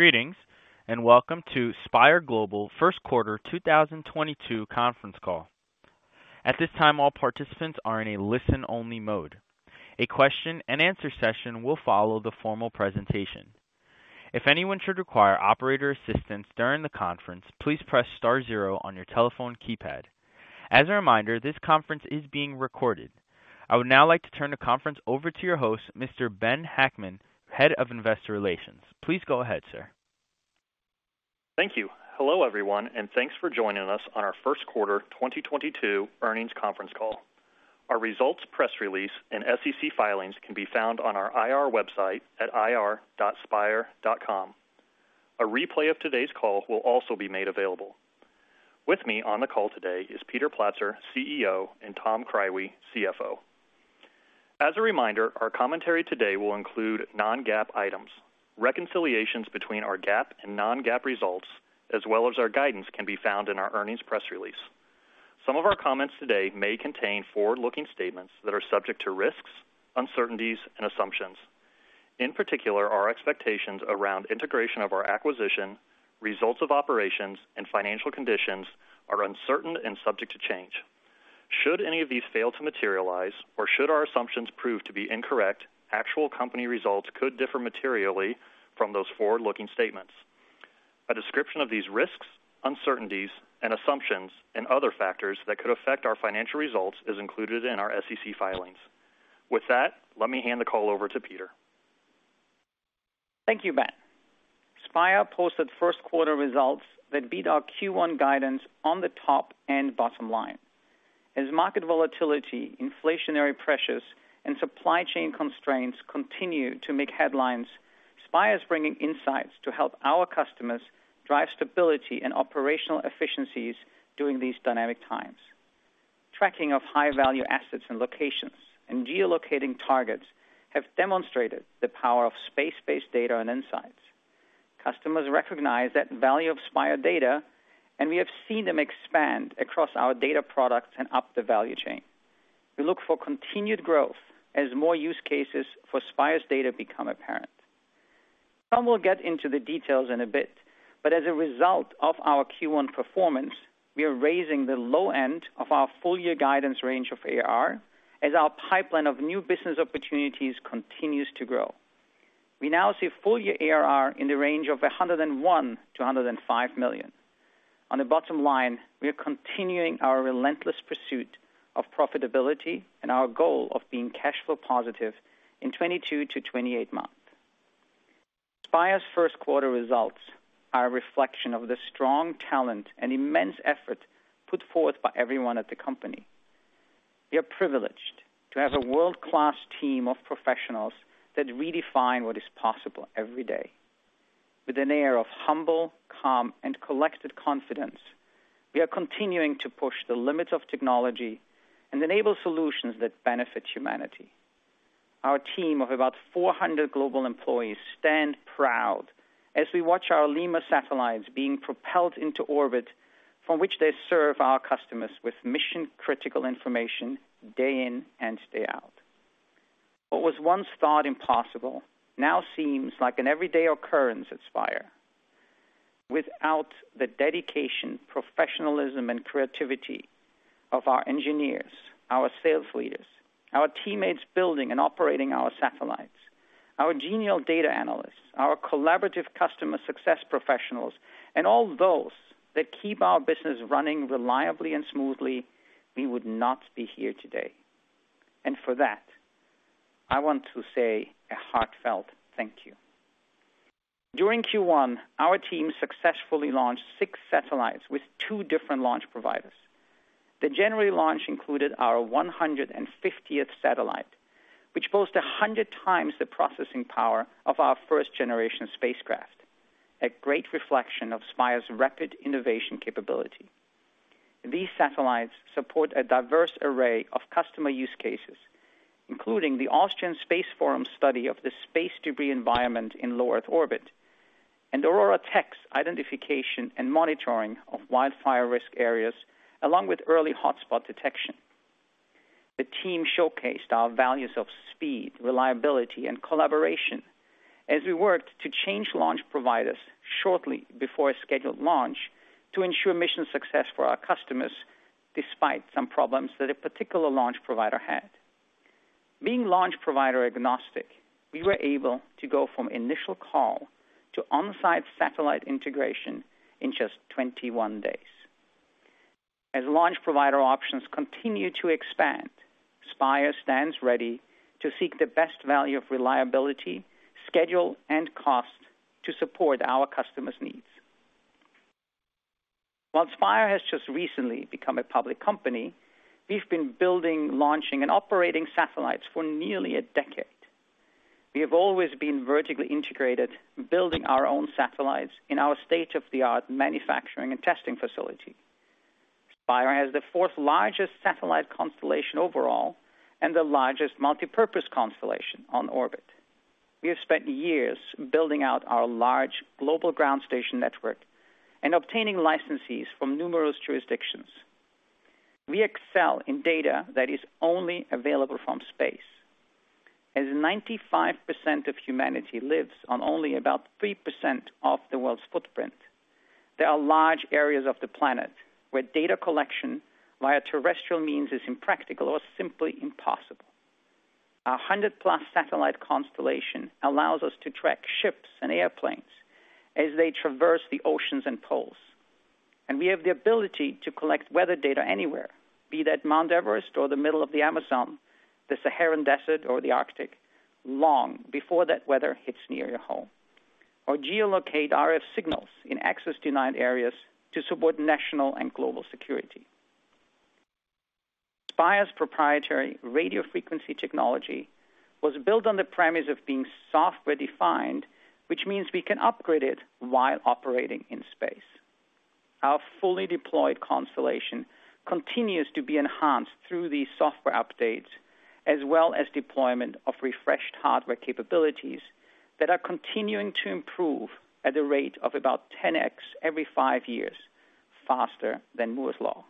Greetings. Welcome to Spire Global first quarter 2022 conference call. At this time, all participants are in a listen-only mode. A question-and-answer session will follow the formal presentation. If anyone should require operator assistance during the conference, please press star zero on your telephone keypad. As a reminder, this conference is being recorded. I would now like to turn the conference over to your host, Mr. Ben Hackman, Head of Investor Relations. Please go ahead, sir. Thank you. Hello, everyone, and thanks for joining us on our first quarter 2022 earnings conference call. Our results press release and SEC filings can be found on our IR website at ir.spire.com. A replay of today's call will also be made available. With me on the call today is Peter Platzer, CEO, and Tom Krywe, CFO. As a reminder, our commentary today will include non-GAAP items. Reconciliations between our GAAP and non-GAAP results, as well as our guidance, can be found in our earnings press release. Some of our comments today may contain forward-looking statements that are subject to risks, uncertainties, and assumptions. In particular, our expectations around integration of our acquisition, results of operations, and financial conditions are uncertain and subject to change. Should any of these fail to materialize, or should our assumptions prove to be incorrect, actual company results could differ materially from those forward-looking statements. A description of these risks, uncertainties, and assumptions and other factors that could affect our financial results is included in our SEC filings. With that, let me hand the call over to Peter. Thank you, Ben. Spire posted first quarter results that beat our Q1 guidance on the top and bottom line. As market volatility, inflationary pressures, and supply chain constraints continue to make headlines, Spire is bringing insights to help our customers drive stability and operational efficiencies during these dynamic times. Tracking of high-value assets and locations and geolocating targets have demonstrated the power of space-based data and insights. Customers recognize that value of Spire data, and we have seen them expand across our data products and up the value chain. We look for continued growth as more use cases for Spire's data become apparent. Tom will get into the details in a bit, but as a result of our Q1 performance, we are raising the low end of our full-year guidance range of ARR as our pipeline of new business opportunities continues to grow. We now see full-year ARR in the range of $101 million-$105 million. On the bottom line, we are continuing our relentless pursuit of profitability and our goal of being cash flow positive in 22-28 months. Spire's first quarter results are a reflection of the strong talent and immense effort put forth by everyone at the company. We are privileged to have a world-class team of professionals that redefine what is possible every day. With an air of humble, calm, and collected confidence, we are continuing to push the limits of technology and enable solutions that benefit humanity. Our team of about 400 global employees stand proud as we watch our LEMUR satellites being propelled into orbit from which they serve our customers with mission-critical information day in and day out. What was once thought impossible now seems like an everyday occurrence at Spire. Without the dedication, professionalism, and creativity of our engineers, our sales leaders, our teammates building and operating our satellites, our genial data analysts, our collaborative customer success professionals, and all those that keep our business running reliably and smoothly, we would not be here today. For that, I want to say a heartfelt thank you. During Q1, our team successfully launched 6 satellites with two different launch providers. The January launch included our 150th satellite, which boasts 100 times the processing power of our first-generation spacecraft, a great reflection of Spire's rapid innovation capability. These satellites support a diverse array of customer use cases, including the Austrian Space Forum's study of the space debris environment in low Earth orbit and OroraTech's identification and monitoring of wildfire risk areas along with early hotspot detection. The team showcased our values of speed, reliability, and collaboration as we worked to change launch providers shortly before a scheduled launch to ensure mission success for our customers despite some problems that a particular launch provider had. Being launch provider-agnostic, we were able to go from initial call to on-site satellite integration in just 21 days. As launch provider options continue to expand, Spire stands ready to seek the best value of reliability, schedule, and cost to support our customers' needs. While Spire has just recently become a public company, we've been building, launching, and operating satellites for nearly a decade. We have always been vertically integrated, building our own satellites in our state-of-the-art manufacturing and testing facility. Spire has the fourth-largest satellite constellation overall and the largest multipurpose constellation on orbit. We have spent years building out our large global ground station network and obtaining licenses from numerous jurisdictions. We excel in data that is only available from space. As 95% of humanity lives on only about 3% of the world's footprint, there are large areas of the planet where data collection via terrestrial means is impractical or simply impossible. Our 100-plus satellite constellation allows us to track ships and airplanes as they traverse the oceans and poles. We have the ability to collect weather data anywhere, be that Mount Everest or the middle of the Amazon, the Saharan Desert or the Arctic, long before that weather hits near your home. Geolocate RF signals in access-denied areas to support national and global security. Spire's proprietary radio frequency technology was built on the premise of being software-defined, which means we can upgrade it while operating in space. Our fully deployed constellation continues to be enhanced through these software updates, as well as deployment of refreshed hardware capabilities that are continuing to improve at a rate of about 10x every five years, faster than Moore's Law.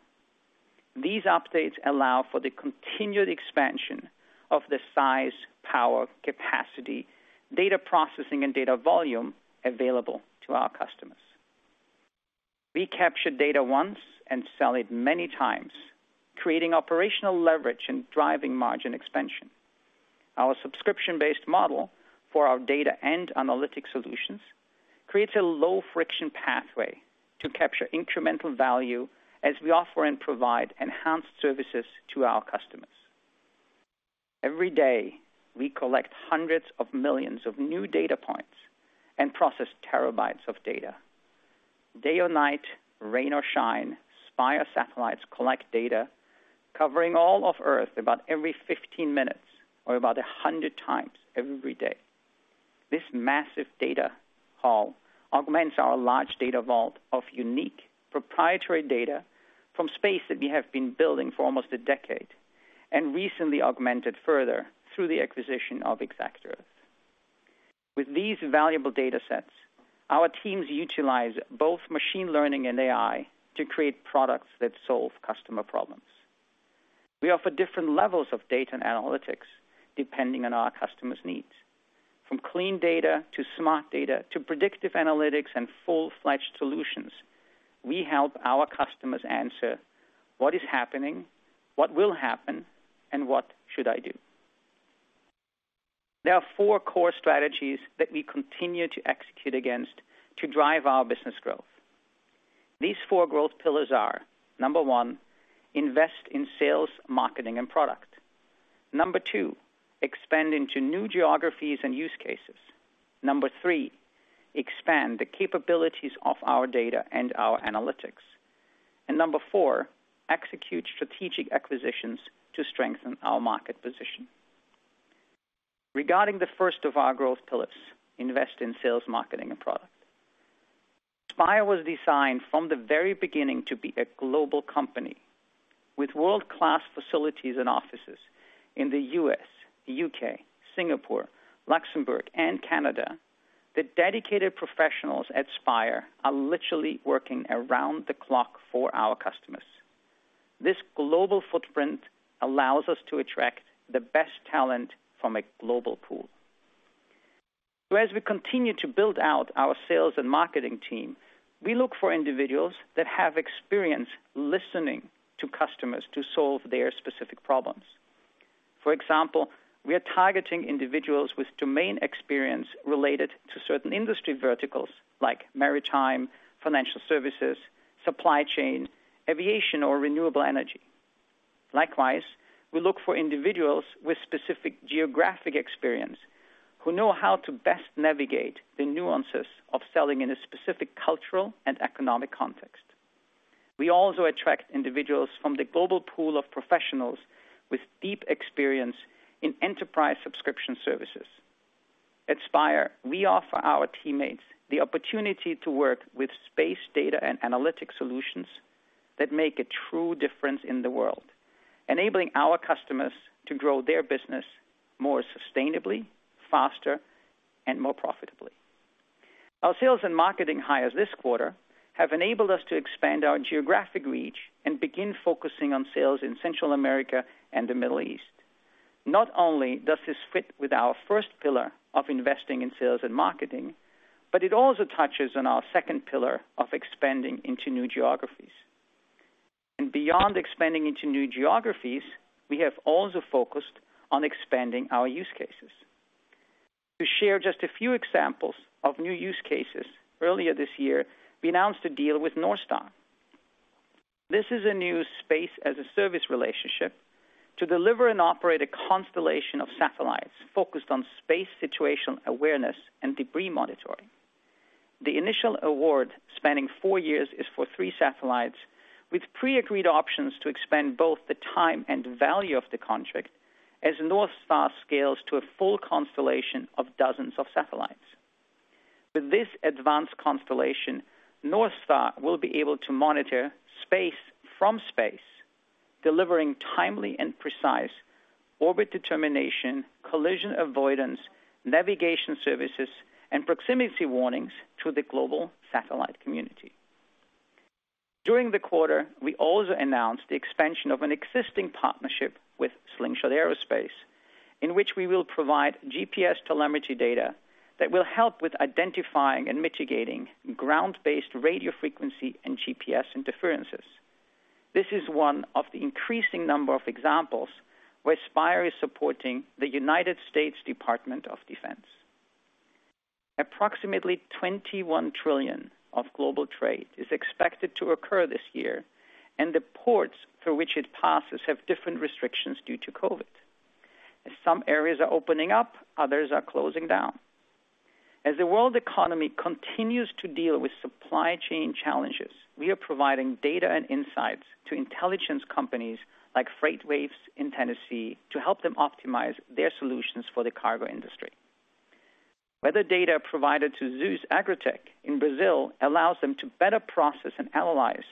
These updates allow for the continued expansion of the size, power, capacity, data processing, and data volume available to our customers. We capture data once and sell it many times, creating operational leverage and driving margin expansion. Our subscription-based model for our data and analytic solutions creates a low-friction pathway to capture incremental value as we offer and provide enhanced services to our customers. Every day, we collect hundreds of millions of new data points and process terabytes of data. Day or night, rain or shine, Spire satellites collect data covering all of Earth about every 15 minutes or about 100 times every day. This massive data haul augments our large data vault of unique proprietary data from space that we have been building for almost a decade, and recently augmented further through the acquisition of exactEarth. With these valuable data sets, our teams utilize both machine learning and AI to create products that solve customer problems. We offer different levels of data and analytics depending on our customers' needs. From clean data to smart data, to predictive analytics and full-fledged solutions, we help our customers answer what is happening, what will happen, and what should I do. There are four core strategies that we continue to execute against to drive our business growth. These four growth pillars are, number one, invest in sales, marketing, and product. Number two, expand into new geographies and use cases. Number three, expand the capabilities of our data and our analytics. Number four, execute strategic acquisitions to strengthen our market position. Regarding the first of our growth pillars, invest in sales, marketing, and product. Spire was designed from the very beginning to be a global company. With world-class facilities and offices in the U.S., U.K., Singapore, Luxembourg, and Canada, the dedicated professionals at Spire are literally working around the clock for our customers. This global footprint allows us to attract the best talent from a global pool. As we continue to build out our sales and marketing team, we look for individuals that have experience listening to customers to solve their specific problems. For example, we are targeting individuals with domain experience related to certain industry verticals like maritime, financial services, supply chain, aviation, or renewable energy. Likewise, we look for individuals with specific geographic experience who know how to best navigate the nuances of selling in a specific cultural and economic context. We also attract individuals from the global pool of professionals with deep experience in enterprise subscription services. At Spire, we offer our teammates the opportunity to work with space data and analytic solutions that make a true difference in the world, enabling our customers to grow their business more sustainably, faster, and more profitably. Our sales and marketing hires this quarter have enabled us to expand our geographic reach and begin focusing on sales in Central America and the Middle East. Not only does this fit with our first pillar of investing in sales and marketing, but it also touches on our second pillar of expanding into new geographies. Beyond expanding into new geographies, we have also focused on expanding our use cases. To share just a few examples of new use cases, earlier this year, we announced a deal with NorthStar. This is a new space-as-a-service relationship to deliver and operate a constellation of satellites focused on space situational awareness and debris monitoring. The initial award spanning four years is for three satellites with pre-agreed options to expand both the time and value of the contract as NorthStar scales to a full constellation of dozens of satellites. With this advanced constellation, NorthStar will be able to monitor space from space, delivering timely and precise orbit determination, collision avoidance, navigation services, and proximity warnings to the global satellite community. During the quarter, we also announced the expansion of an existing partnership with Slingshot Aerospace, in which we will provide GPS telemetry data that will help with identifying and mitigating ground-based radio frequency and GPS interferences. This is one of the increasing number of examples where Spire is supporting the United States Department of Defense. Approximately $21 trillion of global trade is expected to occur this year, and the ports through which it passes have different restrictions due to COVID. As some areas are opening up, others are closing down. As the world economy continues to deal with supply chain challenges, we are providing data and insights to intelligence companies like FreightWaves in Tennessee to help them optimize their solutions for the cargo industry. Weather data provided to Zeus Agrotech in Brazil allows them to better process and analyze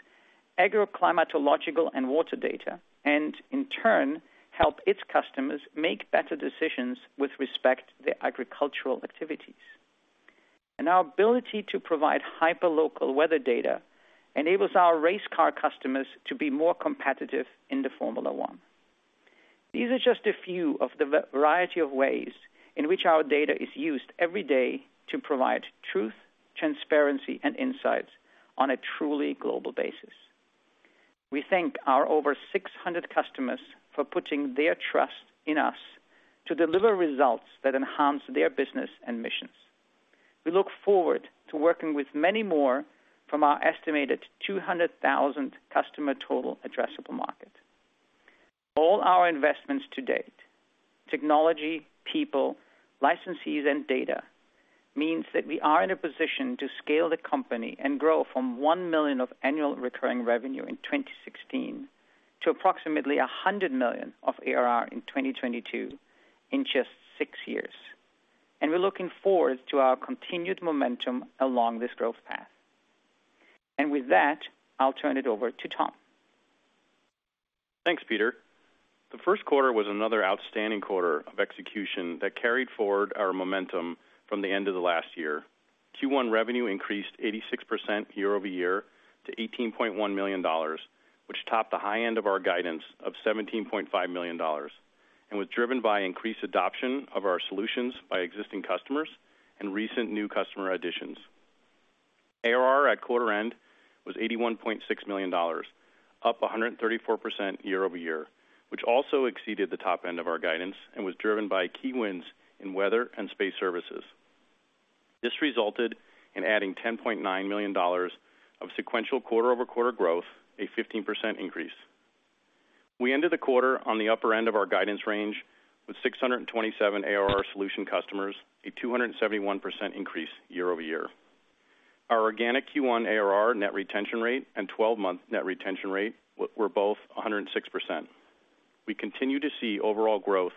agroclimatological and water data, and in turn, help its customers make better decisions with respect to their agricultural activities. Our ability to provide hyperlocal weather data enables our race car customers to be more competitive in the Formula One. These are just a few of the variety of ways in which our data is used every day to provide truth, transparency, and insights on a truly global basis. We thank our over 600 customers for putting their trust in us to deliver results that enhance their business and missions. We look forward to working with many more from our estimated 200,000 customer total addressable market. All our investments to date, technology, people, licensees, and data, means that we are in a position to scale the company and grow from $1 million of annual recurring revenue in 2016 to approximately $100 million of ARR in 2022 in just six years. We're looking forward to our continued momentum along this growth path. With that, I'll turn it over to Tom. Thanks, Peter. The first quarter was another outstanding quarter of execution that carried forward our momentum from the end of the last year. Q1 revenue increased 86% year-over-year to $18.1 million, which topped the high end of our guidance of $17.5 million and was driven by increased adoption of our solutions by existing customers and recent new customer additions. ARR at quarter end was $81.6 million, up 134% year-over-year, which also exceeded the top end of our guidance and was driven by key wins in weather and space services. This resulted in adding $10.9 million of sequential quarter-over-quarter growth, a 15% increase. We ended the quarter on the upper end of our guidance range with 627 ARR solution customers, a 271% increase year-over-year. Our organic Q1 ARR net retention rate and twelve-month net retention rate were both 106%. We continue to see overall growth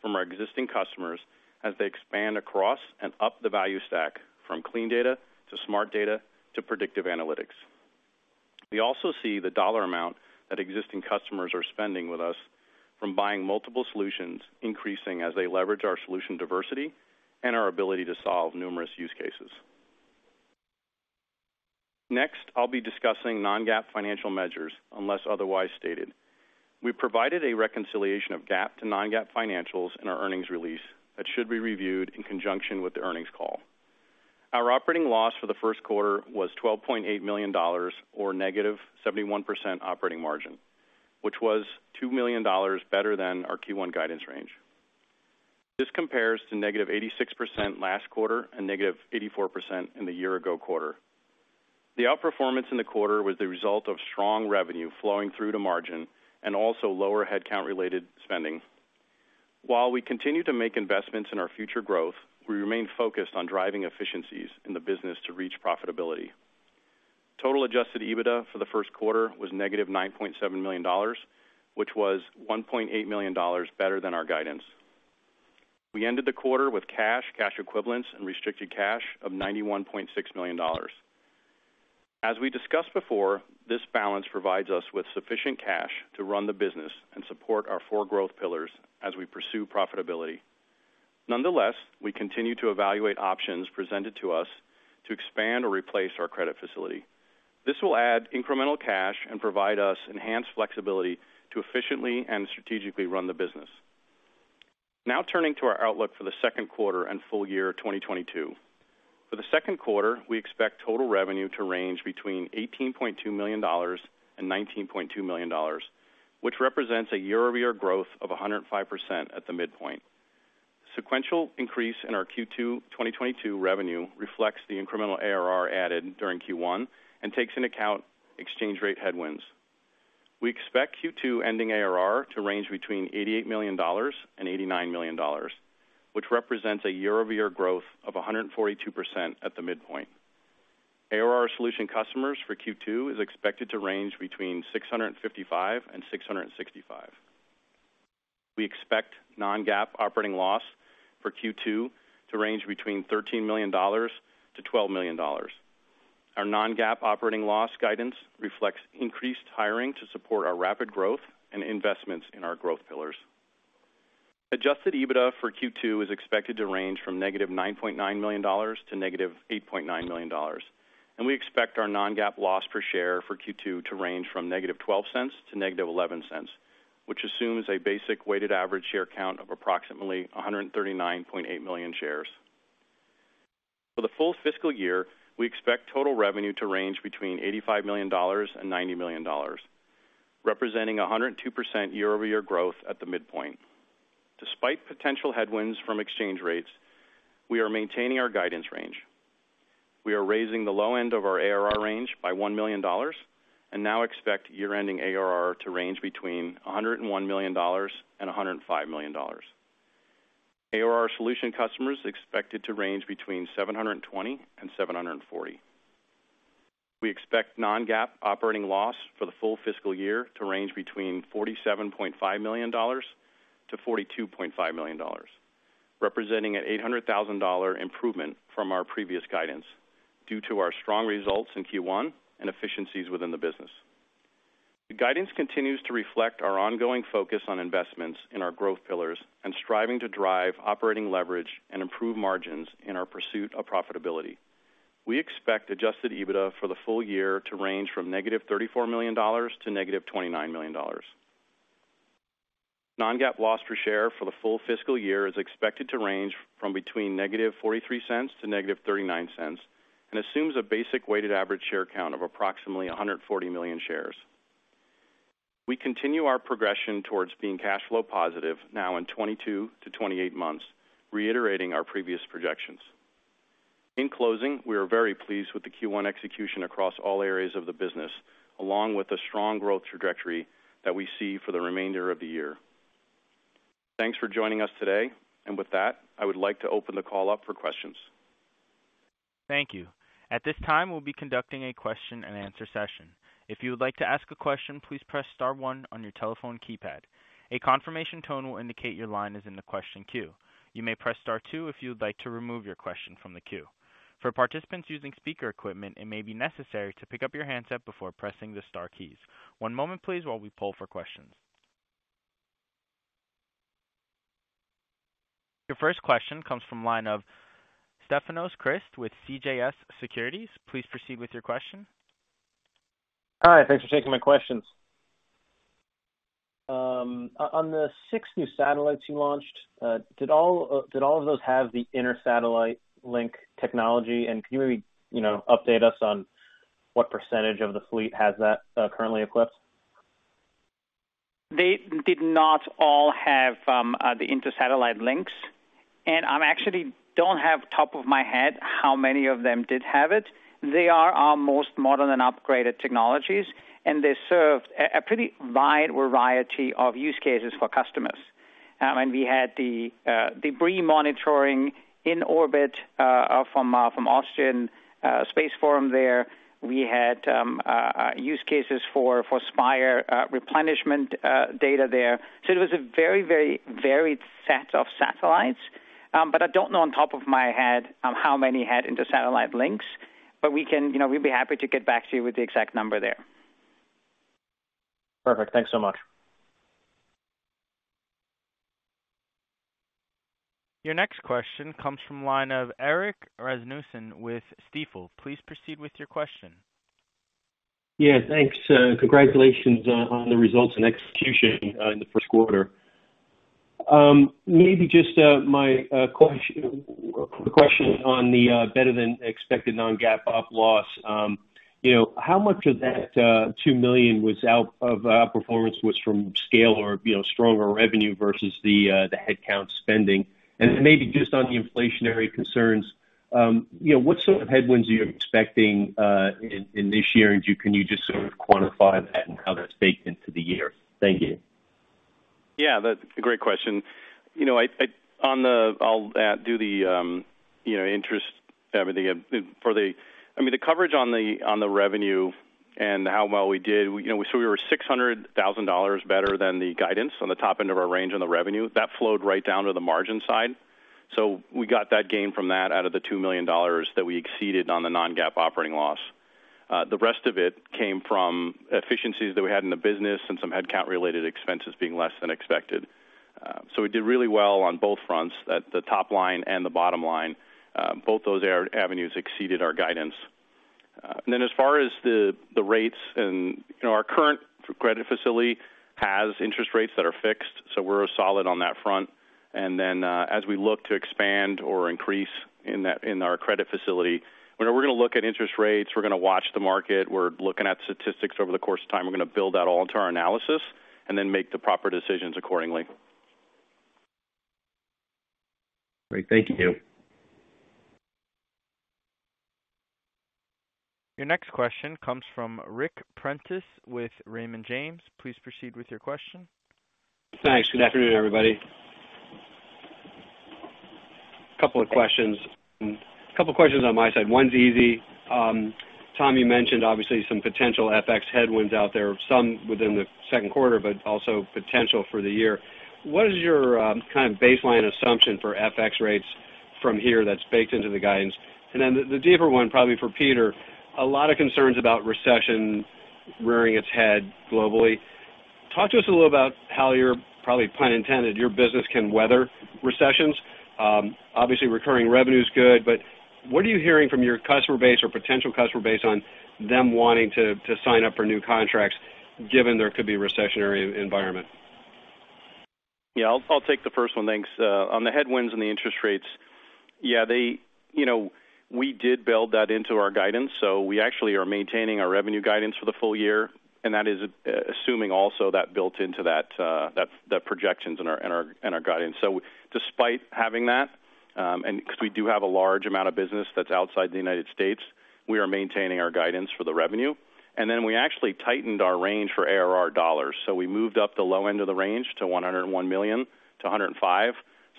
from our existing customers as they expand across and up the value stack from clean data to smart data to predictive analytics. We also see the dollar amount that existing customers are spending with us from buying multiple solutions increasing as they leverage our solution diversity and our ability to solve numerous use cases. Next, I'll be discussing non-GAAP financial measures unless otherwise stated. We provided a reconciliation of GAAP to non-GAAP financials in our earnings release that should be reviewed in conjunction with the earnings call. Our operating loss for the first quarter was $12.8 million or -71% operating margin, which was $2 million better than our Q1 guidance range. This compares to -86% last quarter and -84% in the year-ago quarter. The outperformance in the quarter was the result of strong revenue flowing through to margin and also lower headcount-related spending. While we continue to make investments in our future growth, we remain focused on driving efficiencies in the business to reach profitability. Total adjusted EBITDA for the first quarter was -$9.7 million, which was $1.8 million better than our guidance. We ended the quarter with cash equivalents and restricted cash of $91.6 million. As we discussed before, this balance provides us with sufficient cash to run the business and support our four growth pillars as we pursue profitability. Nonetheless, we continue to evaluate options presented to us to expand or replace our credit facility. This will add incremental cash and provide us enhanced flexibility to efficiently and strategically run the business. Now turning to our outlook for the second quarter and full year 2022. For the second quarter, we expect total revenue to range between $18.2 million and $19.2 million, which represents a year-over-year growth of 105% at the midpoint. Sequential increase in our Q2 2022 revenue reflects the incremental ARR added during Q1 and takes into account exchange rate headwinds. We expect Q2 ending ARR to range between $88 million and $89 million, which represents a year-over-year growth of 142% at the midpoint. ARR solution customers for Q2 is expected to range between 655 and 665. We expect non-GAAP operating loss for Q2 to range between $13 million to $12 million. Our non-GAAP operating loss guidance reflects increased hiring to support our rapid growth and investments in our growth pillars. Adjusted EBITDA for Q2 is expected to range from -$9.9 million to -$8.9 million. We expect our non-GAAP loss per share for Q2 to range from -$0.12 to -$0.11, which assumes a basic weighted average share count of approximately 139.8 million shares. For the full fiscal year, we expect total revenue to range between $85-$90 million, representing 102% year-over-year growth at the midpoint. Despite potential headwinds from exchange rates, we are maintaining our guidance range. We are raising the low end of our ARR range by $1 million and now expect year-ending ARR to range between $101-$105 million. ARR solution customers expected to range between 720 and 740. We expect non-GAAP operating loss for the full fiscal year to range between $47.5-$42.5 million, representing an $800,000 improvement from our previous guidance due to our strong results in Q1 and efficiencies within the business. The guidance continues to reflect our ongoing focus on investments in our growth pillars and striving to drive operating leverage and improve margins in our pursuit of profitability. We expect adjusted EBITDA for the full year to range from -$34 million to -$29 million. Non-GAAP loss per share for the full fiscal year is expected to range from between -$0.43 to -$0.39 and assumes a basic weighted average share count of approximately 140 million shares. We continue our progression towards being cash flow positive now in 22-28 months, reiterating our previous projections. In closing, we are very pleased with the Q1 execution across all areas of the business, along with the strong growth trajectory that we see for the remainder of the year. Thanks for joining us today. With that, I would like to open the call up for questions. Thank you. At this time, we'll be conducting a question-and-answer session. If you would like to ask a question, please press star one on your telephone keypad. A confirmation tone will indicate your line is in the question queue. You may press star two if you would like to remove your question from the queue. For participants using speaker equipment, it may be necessary to pick up your handset before pressing the star keys. One moment please while we poll for questions. Your first question comes from line of Stefanos Crist with CJS Securities. Please proceed with your question. Hi. Thanks for taking my questions. On the 6 new satellites you launched, did all of those have the inter-satellite link technology? Can you maybe, you know, update us on what percentage of the fleet has that currently equipped? They did not all have the inter-satellite links. I actually don't have off the top of my head how many of them did have it. They are our most modern and upgraded technologies, and they served a pretty wide variety of use cases for customers. We had the debris monitoring in orbit from Austrian Space Forum there. We had use cases for Spire replenishment data there. It was a very varied set of satellites. I don't know off the top of my head how many had inter-satellite links, but we can, you know, we'd be happy to get back to you with the exact number there. Perfect. Thanks so much. Your next question comes from the line of Erik Rasmussen with Stifel. Please proceed with your question. Yeah, thanks. Congratulations on the results and execution in the first quarter. Maybe just my question on the better-than-expected non-GAAP operating loss. You know, how much of that $2 million was out of performance from scale or, you know, stronger revenue versus the headcount spending? And then maybe just on the inflationary concerns, you know, what sort of headwinds are you expecting in this year? And can you just sort of quantify that and how that's baked into the year? Thank you. Yeah, that's a great question. You know, I mean, the coverage on the revenue and how well we did, you know, so we were $600,000 better than the guidance on the top end of our range on the revenue. That flowed right down to the margin side. We got that gain from that out of the $2 million that we exceeded on the non-GAAP operating loss. The rest of it came from efficiencies that we had in the business and some headcount-related expenses being less than expected. We did really well on both fronts, at the top line and the bottom line. Both those avenues exceeded our guidance. As far as the rates and, you know, our current credit facility has interest rates that are fixed, so we're solid on that front. As we look to expand or increase in that, in our credit facility, you know, we're gonna look at interest rates, we're gonna watch the market, we're looking at statistics over the course of time. We're gonna build that all into our analysis and then make the proper decisions accordingly. Great. Thank you. Your next question comes from Ric Prentiss with Raymond James. Please proceed with your question. Thanks. Good afternoon, everybody. Couple of questions on my side. One's easy. Tom, you mentioned obviously some potential FX headwinds out there, some within the second quarter, but also potential for the year. What is your kind of baseline assumption for FX rates? From here that's baked into the guidance. The deeper one probably for Peter. A lot of concerns about recession rearing its head globally. Talk to us a little about how your, probably pun intended, your business can weather recessions. Obviously, recurring revenue is good, but what are you hearing from your customer base or potential customer base on them wanting to sign up for new contracts given there could be a recessionary environment? Yeah. I'll take the first one. Thanks. On the headwinds and the interest rates, yeah, they, you know, we did build that into our guidance. We actually are maintaining our revenue guidance for the full year, and that is assuming also that built into that projections in our guidance. Despite having that, and because we do have a large amount of business that's outside the United States, we are maintaining our guidance for the revenue. We actually tightened our range for ARR dollars. We moved up the low end of the range to $101 million-$105 million.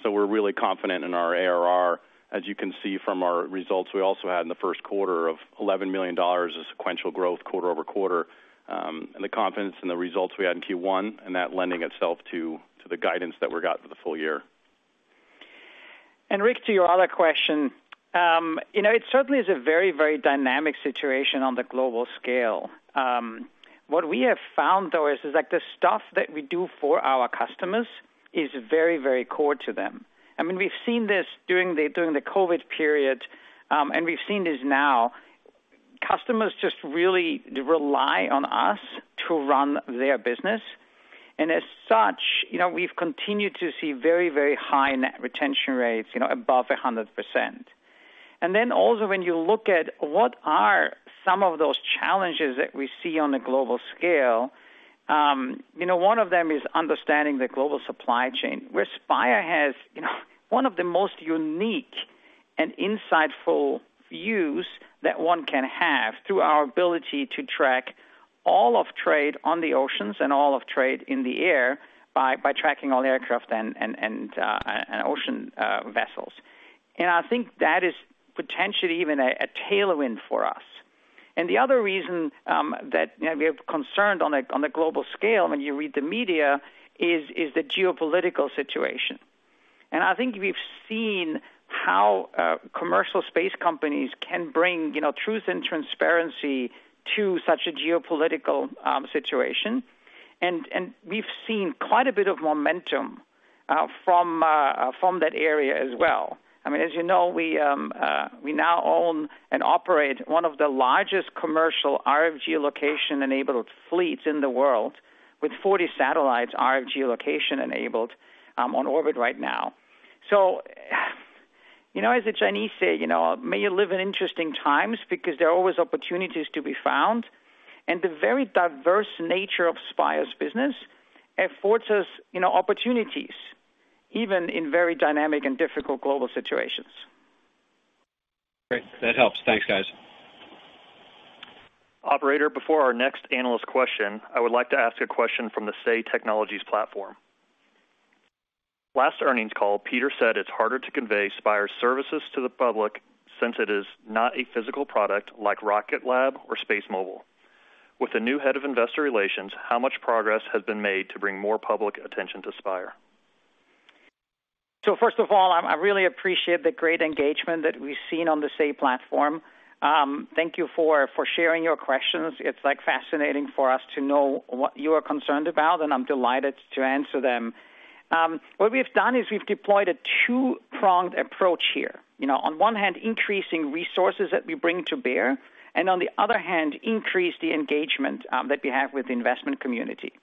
We're really confident in our ARR. As you can see from our results, we also had in the first quarter $11 million of sequential growth quarter-over-quarter. The confidence in the results we had in Q1, and that leading itself to the guidance that we got for the full year. Rick, to your other question, you know, it certainly is a very, very dynamic situation on the global scale. What we have found, though, is that the stuff that we do for our customers is very, very core to them. I mean, we've seen this during the COVID period, and we've seen this now. Customers just really rely on us to run their business. As such, you know, we've continued to see very, very high net retention rates, you know, above 100%. When you look at what are some of those challenges that we see on a global scale, you know, one of them is understanding the global supply chain, where Spire has, you know, one of the most unique and insightful views that one can have through our ability to track all of trade on the oceans and all of trade in the air by tracking all aircraft and ocean vessels. I think that is potentially even a tailwind for us. The other reason, you know, we are concerned on a global scale when you read the media is the geopolitical situation. I think we've seen how commercial space companies can bring, you know, truth and transparency to such a geopolitical situation. We've seen quite a bit of momentum from that area as well. I mean, as you know, we now own and operate one of the largest commercial RF geolocation-enabled fleets in the world, with 40 satellites RF geolocation-enabled on orbit right now. You know, as the Chinese say, you know, may you live in interesting times because there are always opportunities to be found. The very diverse nature of Spire's business affords us, you know, opportunities even in very dynamic and difficult global situations. Great. That helps. Thanks, guys. Operator, before our next analyst question, I would like to ask a question from the Say Technologies platform. Last earnings call, Peter said it's harder to convey Spire's services to the public since it is not a physical product like Rocket Lab or SpaceMobile. With the new head of investor relations, how much progress has been made to bring more public attention to Spire? I really appreciate the great engagement that we've seen on the Say platform. Thank you for sharing your questions. It's like fascinating for us to know what you are concerned about, and I'm delighted to answer them. What we've done is we've deployed a two-pronged approach here. You know, on one hand, increasing resources that we bring to bear, and on the other hand, increase the engagement that we have with the investment community.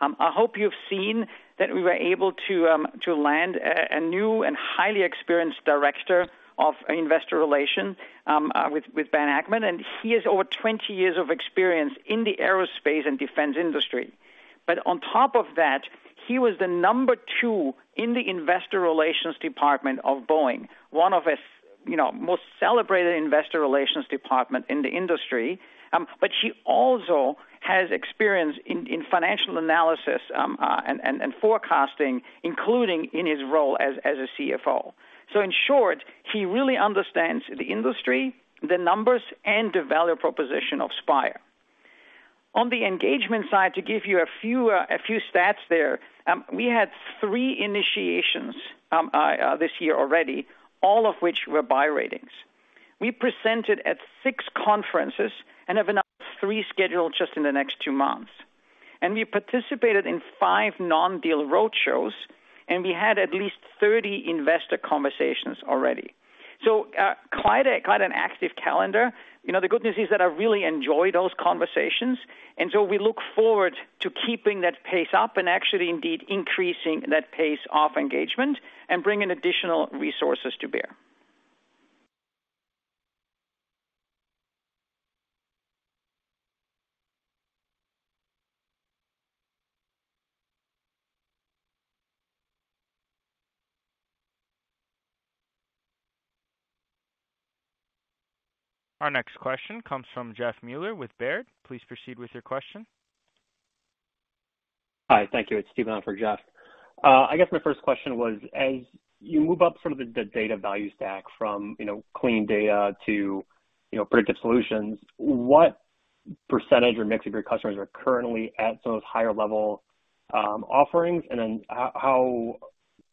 I hope you've seen that we were able to to land a new and highly experienced director of investor relations with Ben Hackman, and he has over 20 years of experience in the aerospace and defense industry. On top of that, he was the number two in the investor relations department of Boeing, one of the, you know, most celebrated investor relations department in the industry. He also has experience in financial analysis and forecasting, including in his role as a CFO. In short, he really understands the industry, the numbers, and the value proposition of Spire. On the engagement side, to give you a few stats there, we had 3 initiations this year already, all of which were buy ratings. We presented at 6 conferences and have another three scheduled just in the next two months. We participated in 5 non-deal roadshows, and we had at least 30 investor conversations already. Quite an active calendar. You know, the good news is that I really enjoy those conversations. We look forward to keeping that pace up and actually indeed increasing that pace of engagement and bringing additional resources to bear. Our next question comes from Jeff Meuler with Baird. Please proceed with your question. Hi. Thank you. It's Stephen on for Jeff. I guess my first question was, as you move up some of the data value stack from, you know, clean data to, you know, predictive solutions, what- percentage or mix of your customers are currently at those higher level offerings? How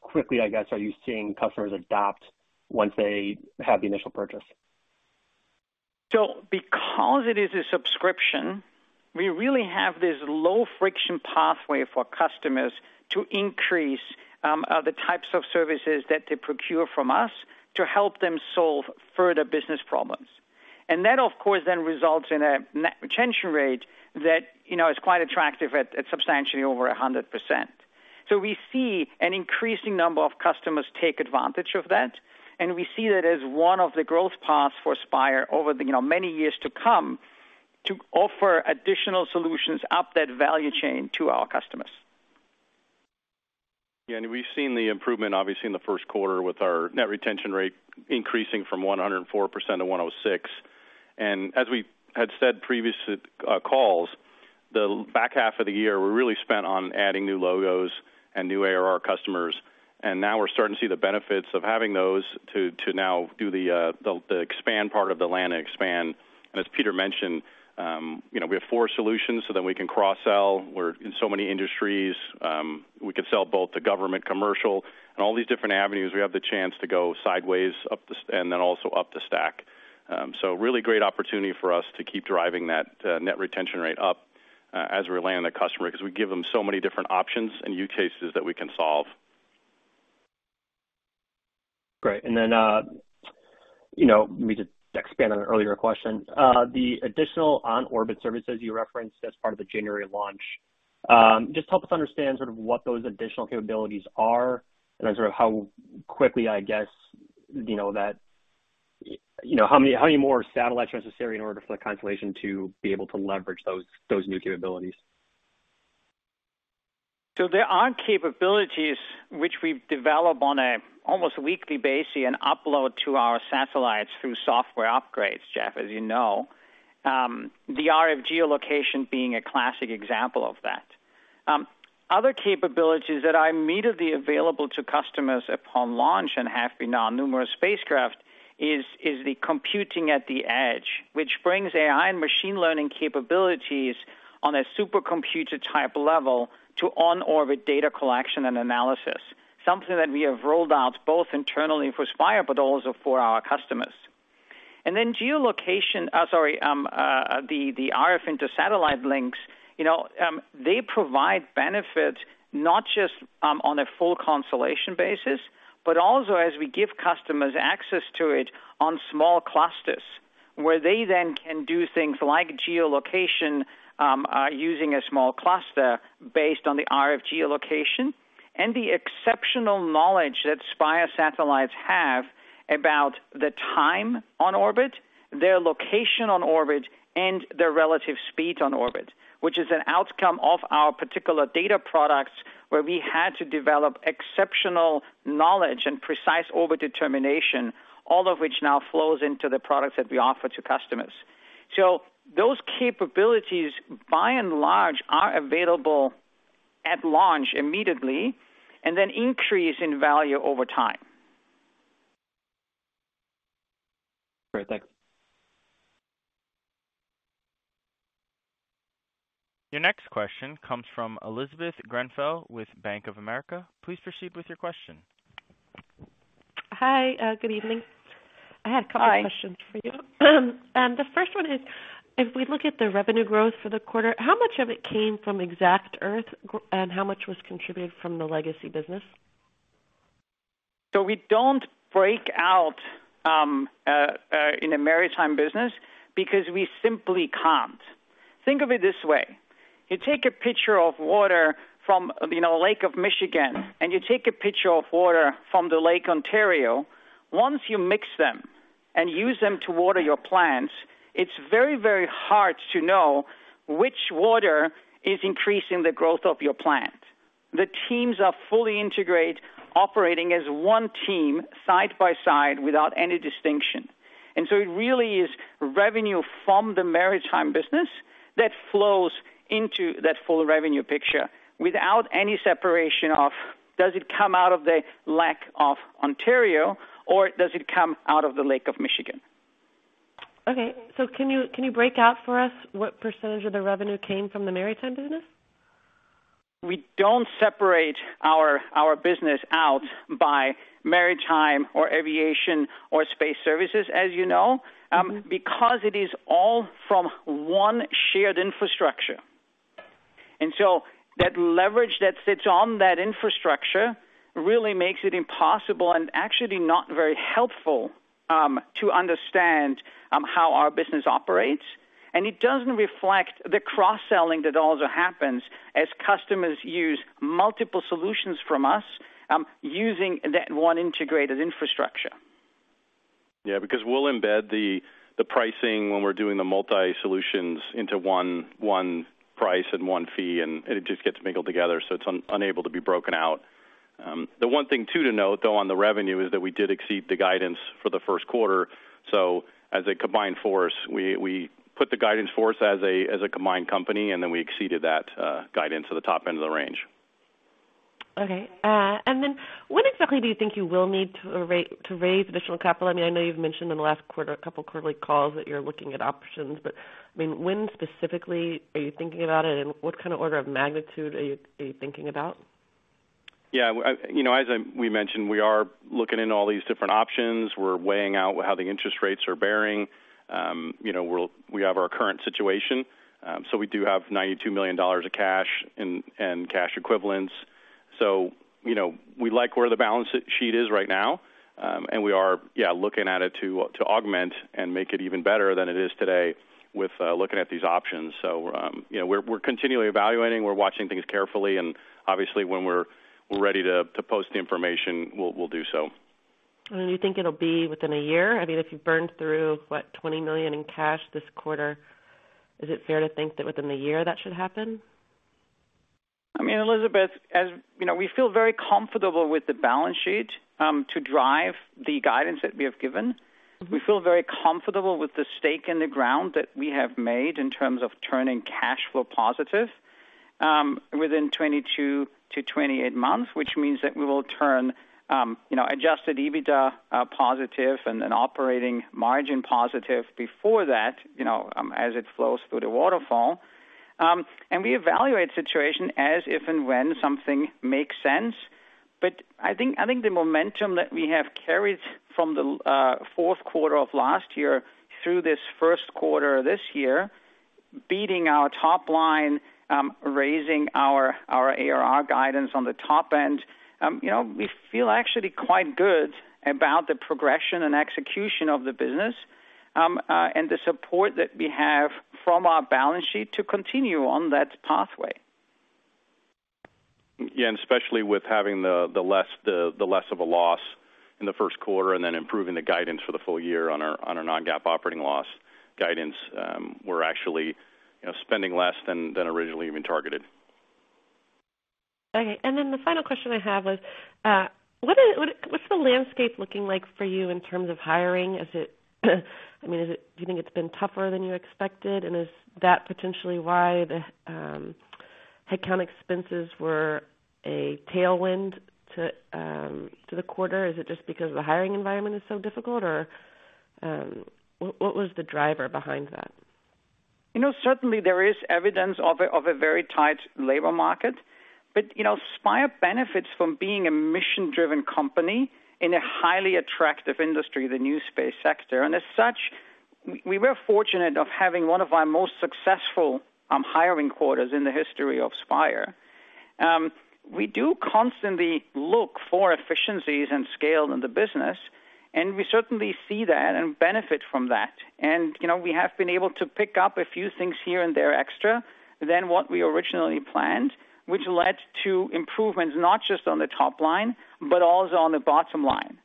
quickly, I guess, are you seeing customers adopt once they have the initial purchase? Because it is a subscription, we really have this low-friction pathway for customers to increase the types of services that they procure from us to help them solve further business problems. That, of course, then results in a net retention rate that, you know, is quite attractive at substantially over 100%. We see an increasing number of customers take advantage of that, and we see that as one of the growth paths for Spire over the, you know, many years to come to offer additional solutions up that value chain to our customers. Yeah. We've seen the improvement, obviously, in the first quarter with our net retention rate increasing from 104% to 106%. As we had said previous calls, the back half of the year, we really spent on adding new logos and new ARR customers. Now we're starting to see the benefits of having those to now do the expand part of the land and expand. As Peter mentioned, you know, we have four solutions so that we can cross-sell. We're in so many industries. We could sell both to government, commercial. All these different avenues, we have the chance to go sideways up the and then also up the stack. Really great opportunity for us to keep driving that net retention rate up as we land the customer because we give them so many different options and use cases that we can solve. Great. You know, we could expand on an earlier question. The additional on-orbit services you referenced as part of the January launch. Just help us understand sort of what those additional capabilities are and then sort of how quickly, I guess, you know, how many more satellites are necessary in order for the constellation to be able to leverage those new capabilities. There are capabilities which we develop on an almost weekly basis and upload to our satellites through software upgrades, Jeff, as you know. The RF geolocation being a classic example of that. Other capabilities that are immediately available to customers upon launch and have been on numerous spacecraft is the computing at the edge, which brings AI and machine learning capabilities on a supercomputer-type level to on-orbit data collection and analysis, something that we have rolled out both internally for Spire, but also for our customers. The RF inter-satellite links, you know, they provide benefits not just on a full constellation basis, but also as we give customers access to it on small clusters, where they then can do things like geolocation using a small cluster based on the RF geolocation and the exceptional knowledge that Spire satellites have about the time on orbit, their location on orbit, and their relative speed on orbit. Which is an outcome of our particular data products, where we had to develop exceptional knowledge and precise orbit determination, all of which now flows into the products that we offer to customers. Those capabilities, by and large, are available at launch immediately and then increase in value over time. Great. Thanks. Your next question comes from Elizabeth Grenfell with Bank of America. Please proceed with your question. Hi. Good evening. Hi. I had a couple of questions for you. The first one is, if we look at the revenue growth for the quarter, how much of it came from exactEarth, and how much was contributed from the legacy business? We don't break out in a maritime business because we simply can't. Think of it this way. You take a pitcher of water from, you know, Lake Michigan, and you take a pitcher of water from the Lake Ontario. Once you mix them and use them to water your plants, it's very, very hard to know which water is increasing the growth of your plant. The teams are fully integrate, operating as one team side by side without any distinction. It really is revenue from the maritime business that flows into that full revenue picture without any separation of does it come out of the Lake Ontario or does it come out of the Lake Michigan. Can you break out for us what percentage of the revenue came from the maritime business? We don't separate our business out by maritime or aviation or space services, as you know. Mm-hmm. Because it is all from one shared infrastructure. That leverage that sits on that infrastructure really makes it impossible and actually not very helpful to understand how our business operates. It doesn't reflect the cross-selling that also happens as customers use multiple solutions from us using that one integrated infrastructure. Yeah. Because we'll embed the pricing when we're doing the multi-solutions into one price and one fee, and it just gets mingled together, so it's unable to be broken out. The one thing too to note, though, on the revenue is that we did exceed the guidance for the first quarter. As a combined force, we put the guidance for us as a combined company, and then we exceeded that guidance to the top end of the range. Okay. When exactly do you think you will need to raise additional capital? I mean, I know you've mentioned in the last quarter, a couple quarterly calls that you're looking at options, but, I mean, when specifically are you thinking about it? What kind of order of magnitude are you thinking about? Yeah. You know, as we mentioned, we are looking into all these different options. We're weighing out how the interest rates are bearing. You know, we have our current situation. So we do have $92 million of cash and cash equivalents. You know, we like where the balance sheet is right now. And we are looking at it to augment and make it even better than it is today with looking at these options. You know, we're continually evaluating, we're watching things carefully and obviously when we're ready to post the information, we'll do so. Do you think it'll be within a year? I mean, if you burned through, what, $20 million in cash this quarter, is it fair to think that within a year that should happen? I mean, Elizabeth, as you know, we feel very comfortable with the balance sheet to drive the guidance that we have given. We feel very comfortable with the stake in the ground that we have made in terms of turning cash flow positive within 22-28 months, which means that we will turn, you know, adjusted EBITDA positive and then operating margin positive before that, you know, as it flows through the waterfall. We evaluate the situation as if and when something makes sense. I think the momentum that we have carried from the fourth quarter of last year through this first quarter this year, beating our top line, raising our ARR guidance on the top end. You know, we feel actually quite good about the progression and execution of the business, and the support that we have from our balance sheet to continue on that pathway. Yeah. Especially with having the less of a loss in the first quarter and then improving the guidance for the full year on our non-GAAP operating loss guidance, we're actually, you know, spending less than originally even targeted. Okay. The final question I have was, what's the landscape looking like for you in terms of hiring? Is it, I mean, do you think it's been tougher than you expected? Is that potentially why the headcount expenses were a tailwind to the quarter? Is it just because the hiring environment is so difficult or, what was the driver behind that? You know, certainly there is evidence of a very tight labor market. You know, Spire benefits from being a mission-driven company in a highly attractive industry, the new space sector. As such, we were fortunate of having one of our most successful hiring quarters in the history of Spire. We do constantly look for efficiencies and scale in the business, and we certainly see that and benefit from that. You know, we have been able to pick up a few things here and there extra than what we originally planned, which led to improvements not just on the top line, but also on the bottom line.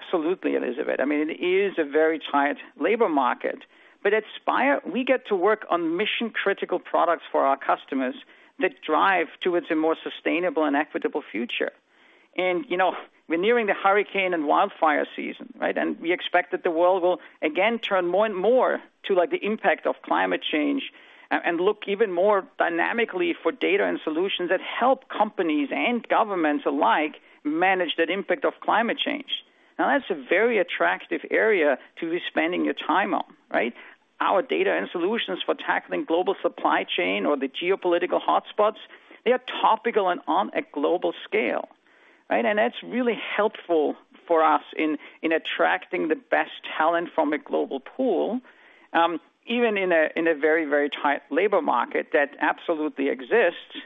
Absolutely, Elizabeth, I mean, it is a very tight labor market. At Spire, we get to work on mission-critical products for our customers that drive towards a more sustainable and equitable future. You know, we're nearing the hurricane and wildfire season, right? We expect that the world will again turn more and more to, like, the impact of climate change and look even more dynamically for data and solutions that help companies and governments alike manage that impact of climate change. Now, that's a very attractive area to be spending your time on, right? Our data and solutions for tackling global supply chain or the geopolitical hotspots, they are topical and on a global scale, right? That's really helpful for us in attracting the best talent from a global pool, even in a very tight labor market that absolutely exists.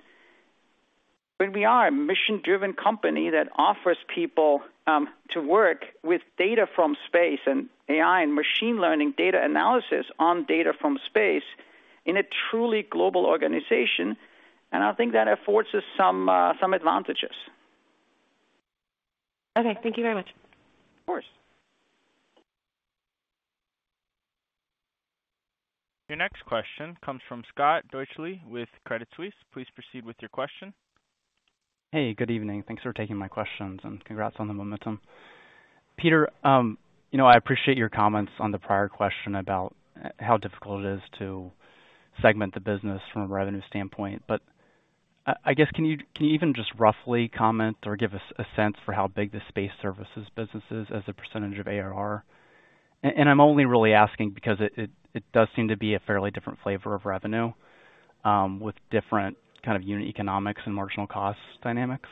We are a mission-driven company that offers people to work with data from space and AI and machine learning data analysis on data from space in a truly global organization. I think that affords us some advantages. Okay. Thank you very much. Of course. Your next question comes from Scott Deuschle with Credit Suisse. Please proceed with your question. Hey, good evening. Thanks for taking my questions, and congrats on the momentum. Peter, you know, I appreciate your comments on the prior question about how difficult it is to segment the business from a revenue standpoint. I guess, can you even just roughly comment or give us a sense for how big the space services business is as a percentage of ARR? And I'm only really asking because it does seem to be a fairly different flavor of revenue, with different kind of unit economics and marginal cost dynamics.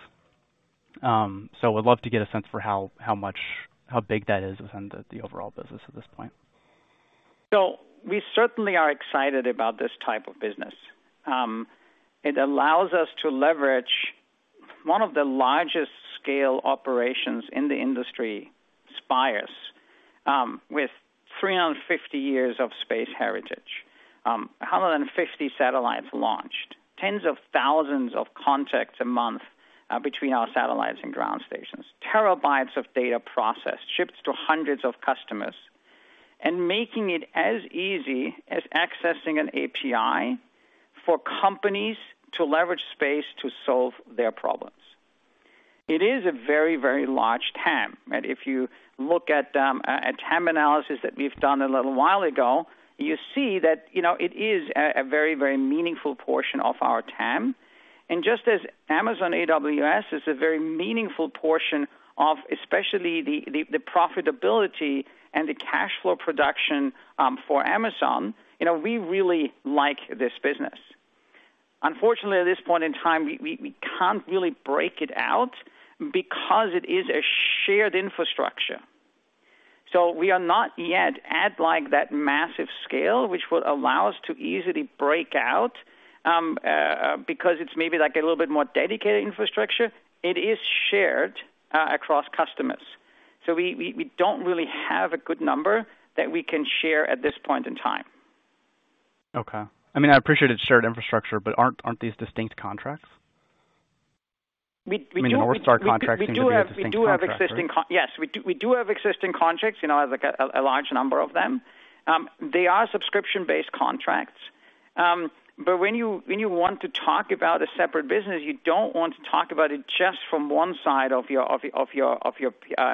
I would love to get a sense for how much, how big that is within the overall business at this point. We certainly are excited about this type of business. It allows us to leverage one of the largest scale operations in the industry, Spire's, with 350 years of space heritage, 150 satellites launched, tens of thousands of contacts a month, between our satellites and ground stations. Terabytes of data processed, shipped to hundreds of customers, and making it as easy as accessing an API for companies to leverage space to solve their problems. It is a very, very large TAM. Right? If you look at a TAM analysis that we've done a little while ago, you see that, you know, it is a very, very meaningful portion of our TAM. Just as Amazon AWS is a very meaningful portion of especially the profitability and the cash flow production, for Amazon, you know, we really like this business. Unfortunately, at this point in time, we can't really break it out because it is a shared infrastructure. We are not yet at like that massive scale, which would allow us to easily break out, because it's maybe like a little bit more dedicated infrastructure. It is shared across customers. We don't really have a good number that we can share at this point in time. Okay. I mean, I appreciate it's shared infrastructure, but aren't these distinct contracts? We do. I mean, the NorthStar contracts seem to be a distinct contract, right? We do have existing contracts, you know, like a large number of them. They are subscription-based contracts. But when you want to talk about a separate business, you don't want to talk about it just from one side of your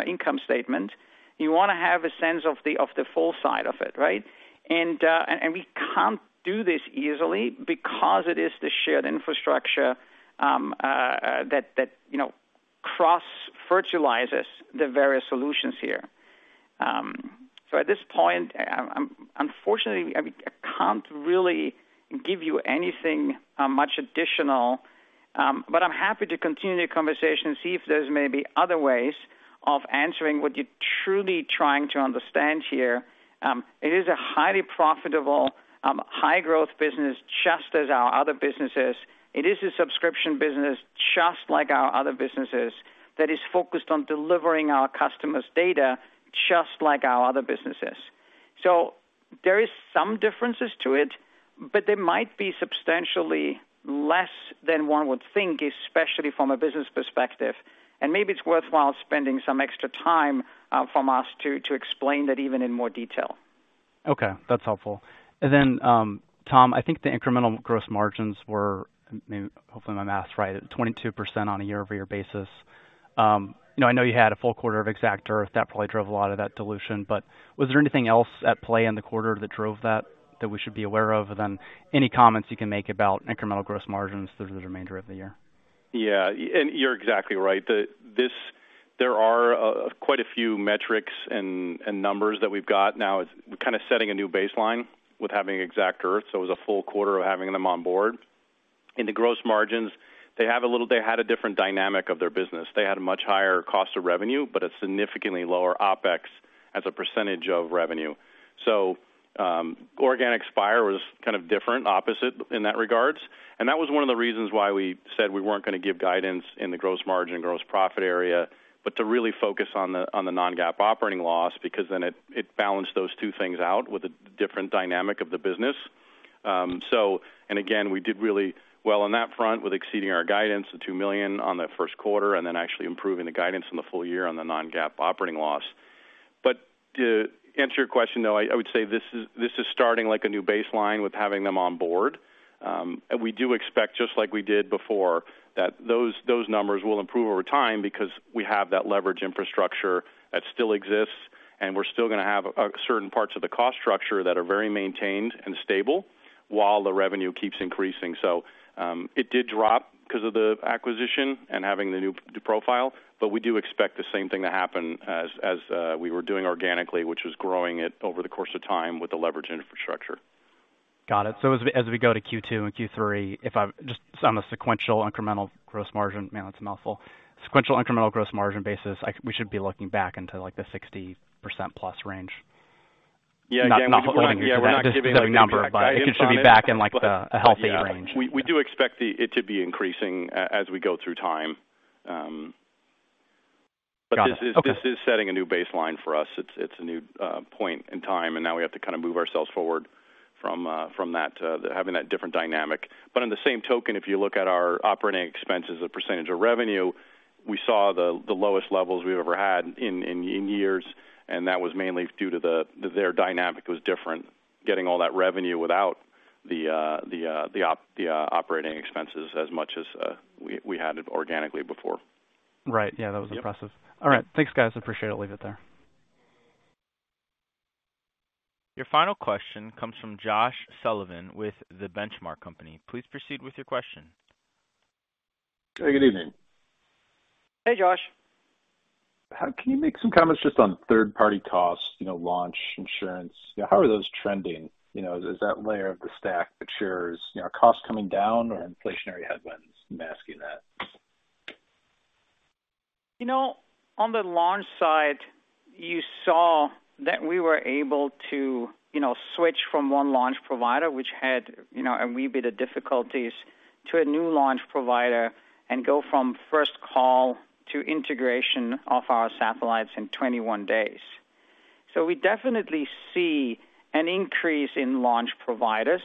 income statement. You want to have a sense of the full side of it, right? We can't do this easily because it is the shared infrastructure that you know cross-virtualizes the various solutions here. So at this point, unfortunately, I can't really give you anything much additional. But I'm happy to continue the conversation, see if there's maybe other ways of answering what you're truly trying to understand here. It is a highly profitable, high growth business just as our other businesses. It is a subscription business just like our other businesses that is focused on delivering our customers' data just like our other businesses. There is some differences to it, but there might be substantially less than one would think, especially from a business perspective. Maybe it's worthwhile spending some extra time from us to explain that even in more detail. Okay. That's helpful. Tom, I think the incremental gross margins were, maybe, hopefully my math is right, 22% on a year-over-year basis. You know, I know you had a full quarter of exactEarth. That probably drove a lot of that dilution. But was there anything else at play in the quarter that drove that we should be aware of? Any comments you can make about incremental gross margins through the remainder of the year? Yeah. You're exactly right. There are quite a few metrics and numbers that we've got now. It's kind of setting a new baseline with having exactEarth, so it was a full quarter of having them on board. In the gross margins, they had a different dynamic of their business. They had a much higher cost of revenue, but a significantly lower OPEX as a percentage of revenue. Organic Spire was kind of different, opposite in that regards. That was one of the reasons why we said we weren't gonna give guidance in the gross margin, gross profit area, but to really focus on the non-GAAP operating loss, because then it balanced those two things out with a different dynamic of the business. Again, we did really well on that front with exceeding our guidance to $2 million on the first quarter, and then actually improving the guidance on the full year on the non-GAAP operating loss. To answer your question, though, I would say this is starting like a new baseline with having them on board. We do expect, just like we did before, that those numbers will improve over time because we have that leverage infrastructure that still exists, and we're still gonna have certain parts of the cost structure that are very maintained and stable while the revenue keeps increasing. It did drop 'cause of the acquisition and having the new profile, but we do expect the same thing to happen as we were doing organically, which was growing it over the course of time with the leverage infrastructure. Got it. As we go to Q2 and Q3, just on a sequential incremental gross margin. Man, that's a mouthful. Sequential incremental gross margin basis, we should be looking back into like the 60%+ range. Yeah. Not holding you to that specific number, but it should be back in like the, a healthy range. We do expect it to be increasing as we go through time. This is Got it. Okay. This is setting a new baseline for us. It's a new point in time, and now we have to kinda move ourselves forward from that, having that different dynamic. On the same token, if you look at our operating expenses as a percentage of revenue, we saw the lowest levels we've ever had in years, and that was mainly due to their dynamic was different, getting all that revenue without the operating expenses as much as we had it organically before. Right. Yeah, that was impressive. Yep. All right. Thanks, guys. I appreciate it. I'll leave it there. Your final question comes from Josh Sullivan with the Benchmark Company. Please proceed with your question. Hey, good evening. Hey, Josh. Can you make some comments just on third-party costs, you know, launch, insurance? How are those trending? You know, is that layer of the stack that shares? You know, are costs coming down or are inflationary headwinds masking that? You know, on the launch side, you saw that we were able to, you know, switch from one launch provider, which had, you know, a wee bit of difficulties, to a new launch provider and go from first call to integration of our satellites in 21 days. We definitely see an increase in launch providers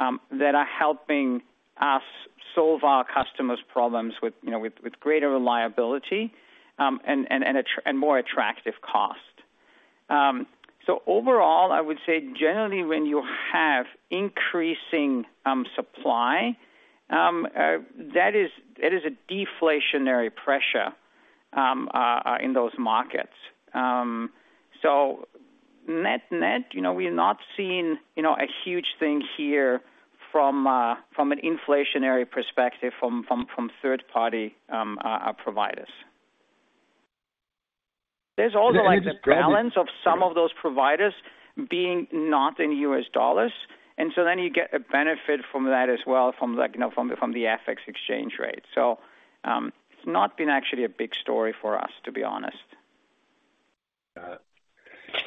that are helping us solve our customers' problems with, you know, with greater reliability and more attractive cost. Overall, I would say generally when you have increasing supply that is a deflationary pressure in those markets. Net-net, you know, we're not seeing, you know, a huge thing here from an inflationary perspective from third-party providers. There's also like the balance of some of those providers being not in U.S. dollars, and so then you get a benefit from that as well, from like, you know, from the FX exchange rate. It's not been actually a big story for us, to be honest. Got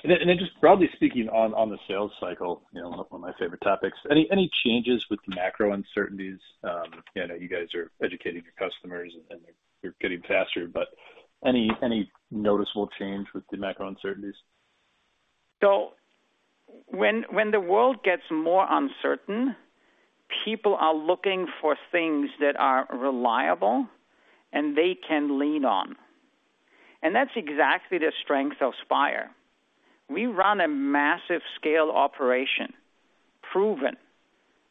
it. Just broadly speaking on the sales cycle, you know, one of my favorite topics. Any changes with the macro uncertainties? I know you guys are educating your customers, and they're getting faster, but any noticeable change with the macro uncertainties? When the world gets more uncertain, people are looking for things that are reliable and they can lean on. That's exactly the strength of Spire. We run a massive scale operation, proven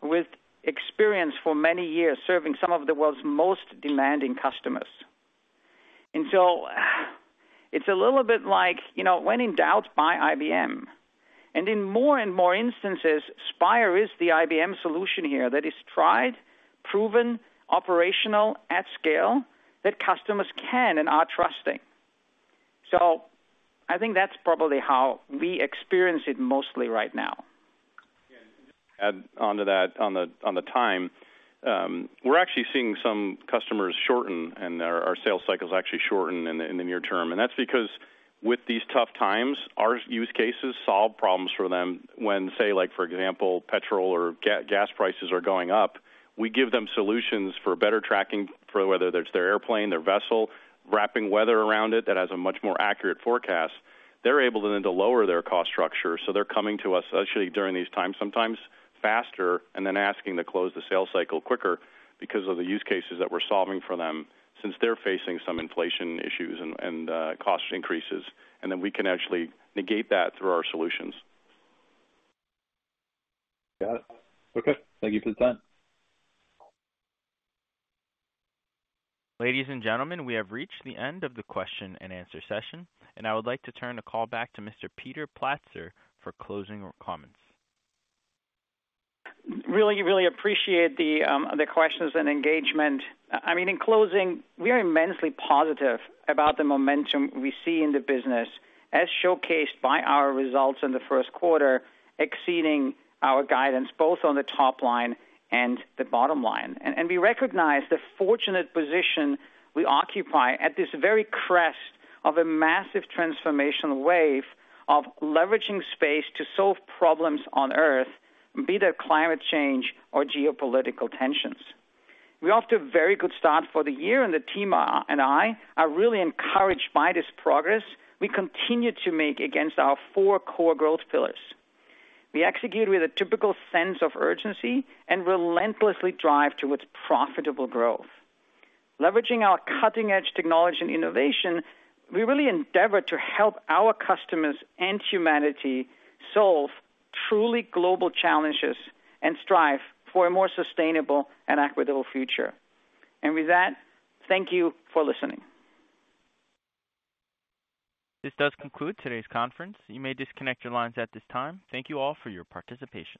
with experience for many years, serving some of the world's most demanding customers. It's a little bit like, you know, when in doubt, buy IBM. In more and more instances, Spire is the IBM solution here that is tried, proven, operational at scale, that customers can and are trusting. I think that's probably how we experience it mostly right now. Yeah. Onto that, on the time, we're actually seeing some customers shorten and our sales cycles actually shorten in the near term. That's because with these tough times, our use cases solve problems for them when, say, like for example, petrol or gas prices are going up. We give them solutions for better tracking for whether that's their airplane, their vessel, wrapping weather around it that has a much more accurate forecast. They're able then to lower their cost structure. They're coming to us actually during these times, sometimes faster, and then asking to close the sales cycle quicker because of the use cases that we're solving for them since they're facing some inflation issues and cost increases, and then we can actually negate that through our solutions. Got it. Okay. Thank you for the time. Ladies and gentlemen, we have reached the end of the question-and-answer session, and I would like to turn the call back to Mr. Peter Platzer for closing comments. Really appreciate the questions and engagement. I mean, in closing, we are immensely positive about the momentum we see in the business, as showcased by our results in the first quarter, exceeding our guidance both on the top line and the bottom line. We recognize the fortunate position we occupy at this very crest of a massive transformational wave of leveraging space to solve problems on Earth, be they climate change or geopolitical tensions. We're off to a very good start for the year, and the team and I are really encouraged by this progress we continue to make against our four core growth pillars. We execute with a typical sense of urgency and relentlessly drive towards profitable growth. Leveraging our cutting-edge technology and innovation, we really endeavor to help our customers and humanity solve truly global challenges and strive for a more sustainable and equitable future. With that, thank you for listening. This does conclude today's conference. You may disconnect your lines at this time. Thank you all for your participation.